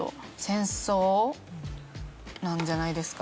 戦争なんじゃないですか？